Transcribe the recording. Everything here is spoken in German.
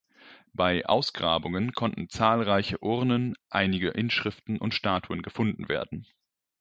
Bei Ausgrabungen konnten zahlreiche Urnen, einige Inschriften und Statuen gefunden werden.